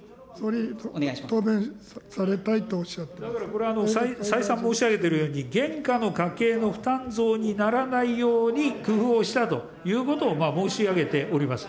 ですからこれは再三申し上げているとおり、現下の家計の負担増にならないように工夫をしたということを申し上げております。